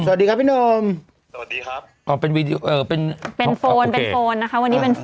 สวัสดีครับพี่หนุ่มเป็นโฟนนะคะวันนี้เป็นโฟน